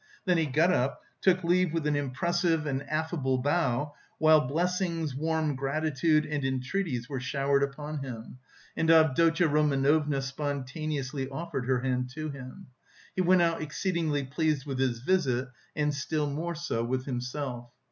Then he got up, took leave with an impressive and affable bow, while blessings, warm gratitude, and entreaties were showered upon him, and Avdotya Romanovna spontaneously offered her hand to him. He went out exceedingly pleased with his visit and still more so with himself.